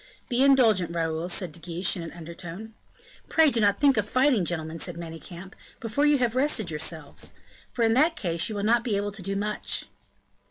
"Be indulgent, Raoul," said De Guiche, in an undertone. "Pray do not think of fighting, gentlemen!" said Manicamp, "before you have rested yourselves; for in that case you will not be able to do much."